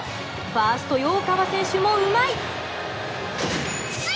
ファースト、陽川選手もうまい！